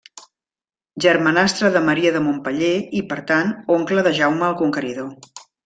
Germanastre de Maria de Montpeller i, per tant, oncle de Jaume el Conqueridor.